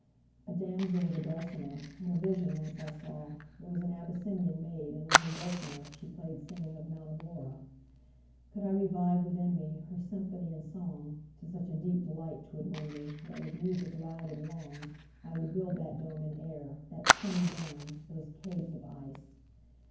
A damsel with a dulcimer In a vision once I saw: It was an Abyssinian maid, And on her dulcimer she play'd, 40 Singing of Mount Abora. Could I revive within me, Her symphony and song, To such a deep delight 'twould win me, That with music loud and long, 45 I would build that dome in air, That sunny dome! those caves of ice!